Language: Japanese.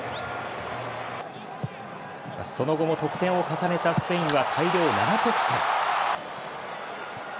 その後も得点を重ねたスペインは大量７得点。